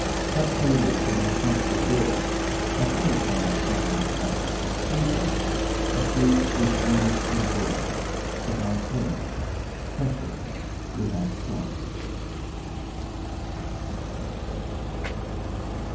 Such odours to my sense were brought, I fell upon that flowery plot, Sleeping, a sleep with dreams inwrought Of my pearl, precious, without spot.